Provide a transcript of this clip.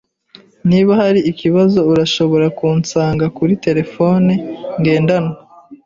Niba hari ikibazo, urashobora kunsanga kuri terefone ngendanwa.